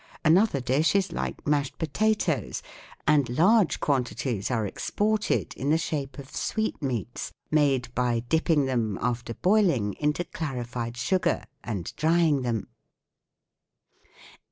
Another dish is like mashed potatoes, and large quantities are exported in the shape of sweetmeats, made by dipping them, after boiling, into clarified sugar and drying them."